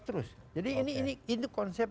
terus jadi ini konsep